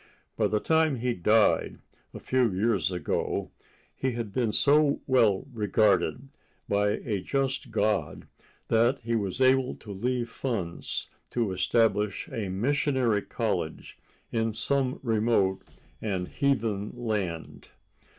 By the time he died, a few years ago, he had been so well rewarded by a just God that he was able to leave funds to establish a missionary college in some remote and heathen land.